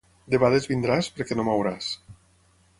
Debades vindràs, perquè no m'hauràs.